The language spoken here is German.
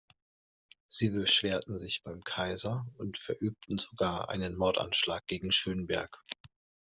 Sie beschwerten sich beim Kaiser und verübten sogar einen Mordanschlag gegen Schönberg.